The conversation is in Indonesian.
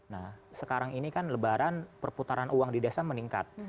nah sekarang ini kan lebaran perputaran uang di desa meningkat